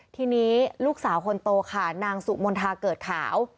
ทีนี้ลูกสาวคนโตค่ะนางสุมนทาเกิดขาว